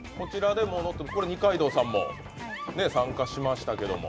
これ、二階堂さんも参加しましたけども。